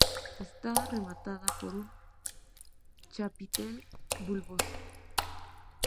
Está rematada por un chapitel bulboso.